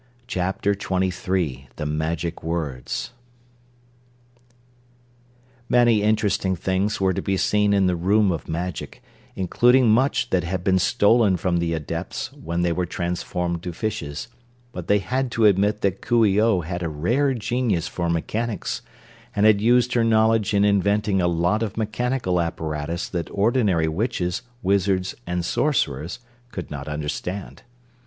Chapter Twenty Three The Magic Words Many interesting things were to be seen in the Room of Magic, including much that had been stolen from the Adepts when they were transformed to fishes, but they had to admit that Coo ee oh had a rare genius for mechanics, and had used her knowledge in inventing a lot of mechanical apparatus that ordinary witches, wizards and sorcerers could not understand.